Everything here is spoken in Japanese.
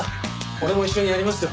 俺も一緒にやりますよ。